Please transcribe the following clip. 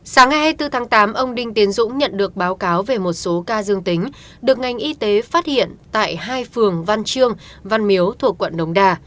sáng ngày hai mươi bốn tháng tám ông đinh tiến dũng nhận được báo cáo về một số ca dương tính được ngành y tế phát hiện tại hai phường văn trương văn miếu thuộc quận đống đà